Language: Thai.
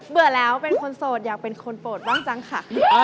เบื่อแล้วเป็นคนโสดอยากเป็นคนโปรดบ้างจังค่ะ